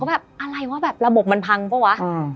แบบอะไรวะแบบระบบมันพังเปล่าวะ